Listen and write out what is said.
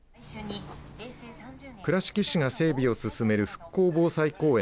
倉敷市が整備を進める復興防災公園